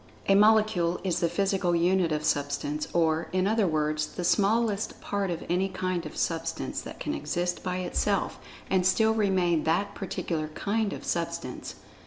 A "Molecule" is the physical unit of Substance, or, in other words, the smallest part of any kind of Substance that can exist by itself and still remain that particular "kind" of substance.